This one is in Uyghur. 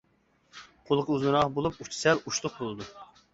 قۇلىقى ئۇزۇنراق بولۇپ، ئۇچى سەل ئۇچلۇق بولىدۇ.